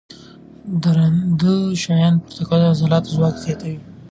درانده شیان پورته کول د عضلاتو ځواک زیاتوي.